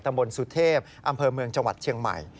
บนสุเทพอำเภอเมืองจังหวัดเชียงใหม่